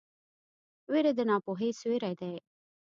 ویره د ناپوهۍ سیوری دی.